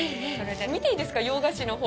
見ていいですか、洋菓子のほう。